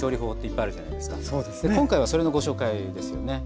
今回はそれのご紹介ですよね。